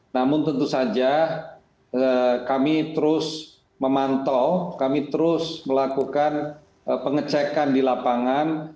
namun tentu saja kami terus memantau kami terus melakukan pengecekan di lapangan